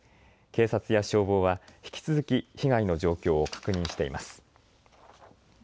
警察や消防は引き続き被害の状況を確認しています。